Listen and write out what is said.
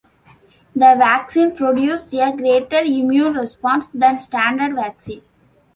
The vaccine produces a greater immune response than standard vaccine.